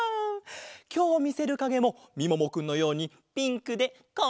きょうみせるかげもみももくんのようにピンクでかわいいんだぞ。